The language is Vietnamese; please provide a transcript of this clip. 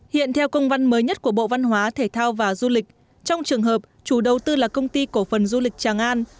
hiện theo công văn mới nhất của bộ văn hóa thể thao và du lịch trong trường hợp chủ đầu tư là công ty cổ phần du lịch tràng an